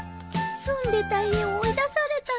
住んでた家を追い出されたの。